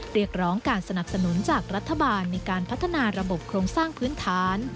เรียกร้องการสนับสนุนจากรัฐบาลในการพัฒนาระบบโครงสร้างพื้นฐาน